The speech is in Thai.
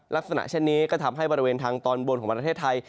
ลักษณะเช่นนี้ก็ทำให้บริเวณทางตอนบนของประเทศไทย